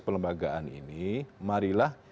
perlembagaan ini marilah